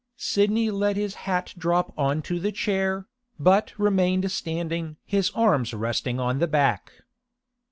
Sidney let his hat drop on to the chair, but remained standing, his arms resting on the back.